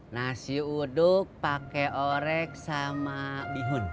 nasi uduk pakai orek sama bihun